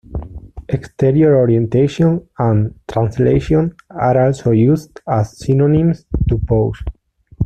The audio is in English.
"Exterior orientation" and "Translation" are also used as synonyms to pose.